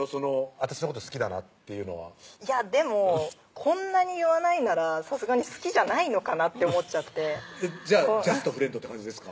私のこと好きだなっていうのはいやでもこんなに言わないならさすがに好きじゃないのかなって思っちゃってじゃあジャストフレンドって感じですか？